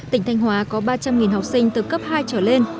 tỉnh thanh hóa có ba trăm linh học sinh từ cấp hai trở lên